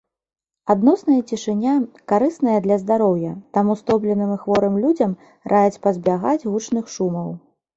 Адносная цішыня карысная для здароўя, таму стомленым і хворым людзям раяць пазбягаць гучных шумаў.